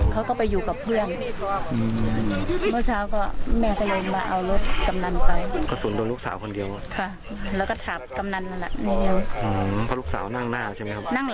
เขาก็ไปอยู่กับเพื่อนเมื่อเช้าก็แม่ก็เลยมาเอารถกำนันไป